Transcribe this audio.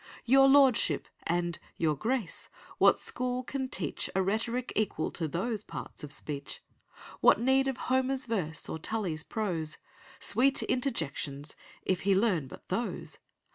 'Your lordship' and 'Your Grace,' what school can teach A rhetoric equal to those parts of speech? What need of Homer's verse or Tully's prose, Sweet interjections! if he learn but those?